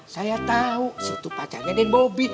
saya tau si tu pacarnya deng bobby